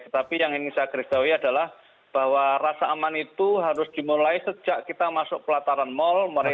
tetapi yang ingin saya garis bawahi adalah bahwa rasa aman itu harus dimulai sejak kita masuk pelataran mal